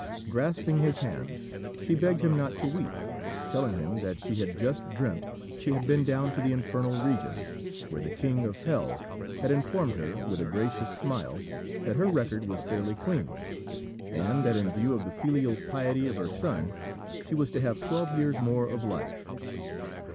Grasping his hand, she begged him not to weep, telling him that she had just dreamt she had been down to the Infernal Regions, where the King of Hell had informed her with a gracious smile that her record was fairly clean, and that in view of the filial piety of her son she was to have twelve years more of life.